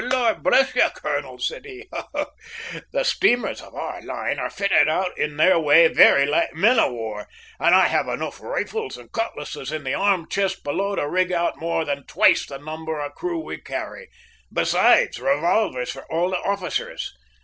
"Lord bless you, colonel!" said he, "the steamers of our line are fitted out in their way very like men of war; and I have enough rifles and cutlasses in the arm chest below to rig out more than twice the number of the crew we carry, besides revolvers for all the officers.